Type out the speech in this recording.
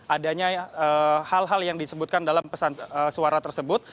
adanya hal hal yang disebutkan dalam pesan suara tersebut